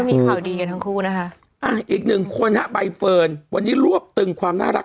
มีข่าวดีกันทั้งคู่นะคะอ่ะอีกหนึ่งคนฮะใบเฟิร์นวันนี้รวบตึงความน่ารัก